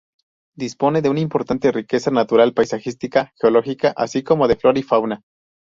Dispone de una importante riqueza natural paisajística, geológica, así como de flora y fauna.